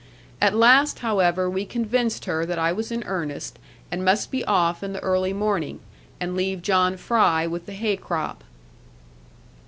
At last, however, we convinced her that I was in earnest, and must be off in the early morning, and leave John Fry with the hay crop.